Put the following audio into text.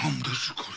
これ。